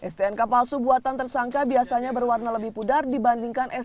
stnk palsu buatan tersangka biasanya berwarna lebih pudar dibandingkan sk